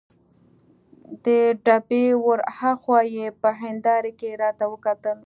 د ډبې ور هاخوا یې په هندارې کې راته وکتل.